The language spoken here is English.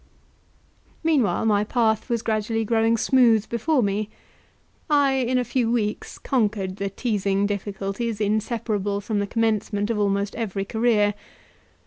Meantime my path was gradually growing smooth before me. I, in a few weeks, conquered the teasing difficulties inseparable from the commencement of almost every career.